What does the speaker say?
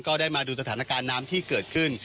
ได้มาดูสถานการณ์น้ำที่เกิดขึ้น